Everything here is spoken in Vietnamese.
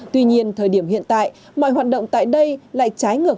tuy nhiên thời điểm hiện tại mọi hoạt động tại đây lại trái ngược